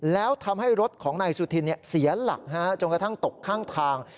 แล้วทำให้รถของนายสุธินเสียหลักจนกระทั่งตกข้างทาง